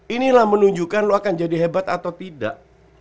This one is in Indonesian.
inilah menunjukkan lo akan jadi hebat atau tidak